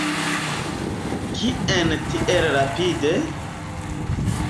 Kien tiel rapide?